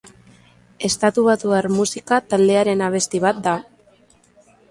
Estatubatuar musika taldearen abesti bat da.